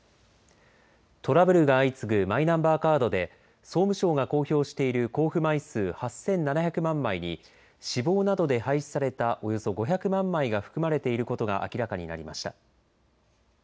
トラブルが相次ぐマイナンバーカードで総務省が公表している交付枚数８７００万枚に死亡などで廃止されたおよそ５００万枚が含まれていることが明らかになりました。